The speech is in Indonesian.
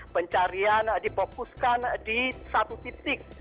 pencarian difokuskan di satu titik